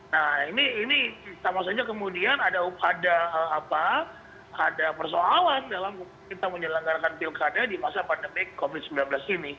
nah ini sama saja kemudian ada persoalan dalam kita menyelenggarakan pilkada di masa pandemi covid sembilan belas ini